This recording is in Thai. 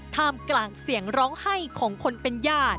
ท่ามกลางเสียงร้องไห้ของคนเป็นญาติ